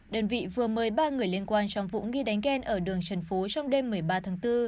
đơn vị vừa mời ba người liên quan trong vụ nghi đánh ghen ở đường trần phú trong đêm một mươi ba tháng bốn